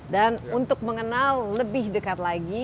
dan untuk mengenal lebih dekat lagi